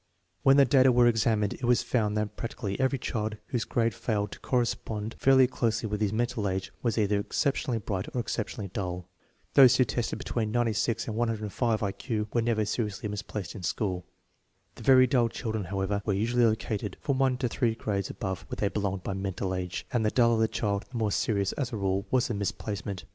When the data were examined, it was found that prac tically every child whose grade failed to correspond fairly closely with his mental age was either exceptionally bright or exceptionally dull. Those who tested between 96 and 105 I Q were never seriously misplaced in school. The very dull children, however, were usually located from one to three grades above where they belonged by mental age, and the duller the child the more serious, as a rule, was the misplacement.